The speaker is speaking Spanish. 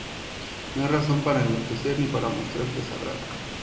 No hay razón para enloquecer, ni para mostrar desagrado.